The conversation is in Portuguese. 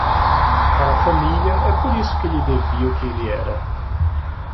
Para a família, é por isso que lhe devia o que ele era.